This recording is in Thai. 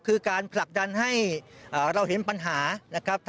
คือการผลักดันให้เราเห็นปัญหานะครับ